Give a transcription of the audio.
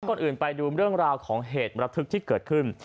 ก่อนอื่นไปดูเรื่องราวของเหตุระทึกที่เกิดขึ้น